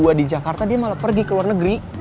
kenapa pas gua di jakarta dia malah pergi ke luar negeri